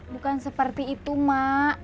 bukan seperti itu mak